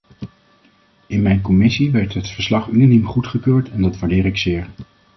In mijn commissie werd het verslag unaniem goedgekeurd en dat waardeer ik zeer.